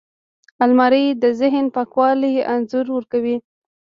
الماري د ذهن پاکوالي انځور ورکوي